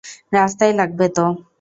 রাস্তায় লাগবে তো।